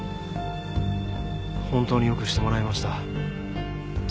本当によくしてもらいました。